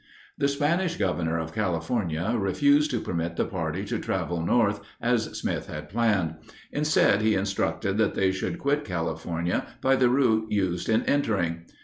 The Spanish governor of California refused to permit the party to travel north as Smith had planned. Instead, he instructed that they should quit California by the route used in entering.